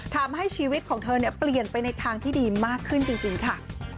ทำให้ชีวิตของเธอเปลี่ยนไปในทางที่ดีมากขึ้นจริงค่ะ